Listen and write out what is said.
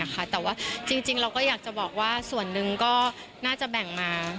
แต่ว่าจริงเราก็อยากจะบอกว่าส่วนหนึ่งก็น่าจะแบ่งมา